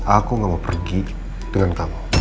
aku gak mau pergi dengan kamu